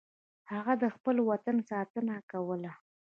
هغه د خپل وطن ساتنه کوله.